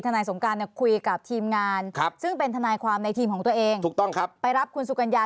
นายสงการคุยกับทีมงานซึ่งเป็นทนายความในทีมของตัวเองถูกต้องครับไปรับคุณสุกัญญา